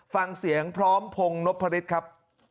ฟังเสียงพร้อมพงศ์นพฤษครับ